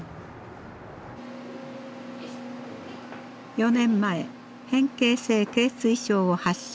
４年前変形性頸椎症を発症。